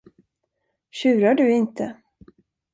Tjurar du inte?